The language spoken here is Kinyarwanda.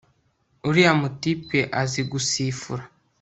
uriya mutipe azi gusifura